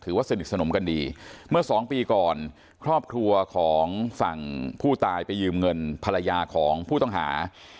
ว่าสนิทสนมกันดีเมื่อสองปีก่อนครอบครัวของฝั่งผู้ตายไปยืมเงินภรรยาของผู้ต้องหา